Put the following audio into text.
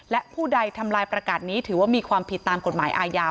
และผู้ใดทำลายประกาศนี้ถือว่ามีความผิดตามกฎหมายอาญา